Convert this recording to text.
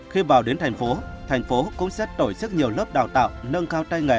khi vào đến tp hcm tp hcm cũng sẽ tổ chức nhiều lớp đào tạo nâng cao tay nghề